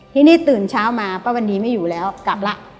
ทีนี้ตื่นเช้ามาป้าวันดีไม่อยู่แล้วกลับละ